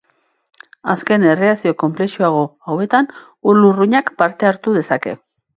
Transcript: Azken erreakzio konplexuago hauetan ur-lurrunak parte hartu dezake.